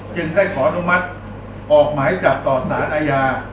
จึงได้ขออนุมัติออกหมายจับต่อสารอาญา